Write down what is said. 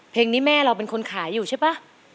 เพลงนี้แม่เราเป็นคนขายอยู่ใช่ป่ะ